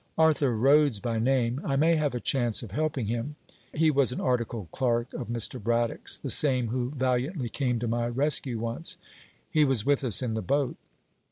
Arthur Rhodes by name. I may have a chance of helping him. He was an articled clerk of Mr. Braddock's, the same who valiantly came to my rescue once. He was with us in the boat.'